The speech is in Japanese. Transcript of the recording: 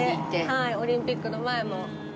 はいオリンピックの前も。